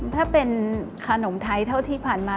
ถ้าเป็นขนมไทยเท่าที่ผ่านมา